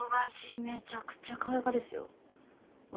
めちゃくちゃかわいかですよおい